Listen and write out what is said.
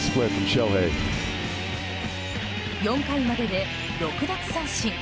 ４回までで６奪三振。